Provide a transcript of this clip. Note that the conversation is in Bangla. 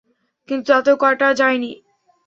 কিন্তু তাতেও কাটা যায়নি।